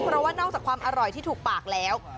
เพราะว่านอกจากความอร่อยที่ถูกปากแล้ว